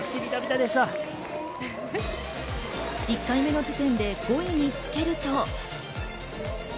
１回目の時点で５位につけると。